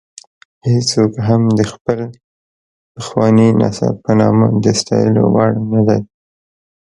هېڅوک هم د خپل پخواني نسب په نامه د ستایلو وړ نه دی.